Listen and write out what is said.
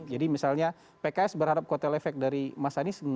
jadi misalnya pks berhadap kotel efek dari mas anies